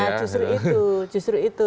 nah justru itu